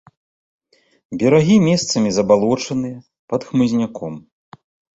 Берагі месцамі забалочаныя, пад хмызняком.